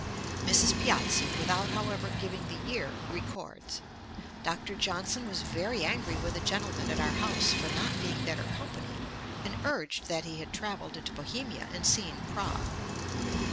Post, iv. 348. Mrs. Piozzi, without however giving the year, records: 'Dr. Johnson was very angry with a gentleman at our house for not being better company, and urged that he had travelled into Bohemia and seen Prague.